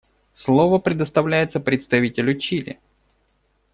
Слово предоставляется представителю Чили.